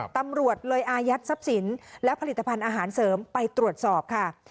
ตำรวจเลยอายัดทรัพย์สินและผลิตภัณฑ์อาหารเสริมไปตรวจสอบค่ะ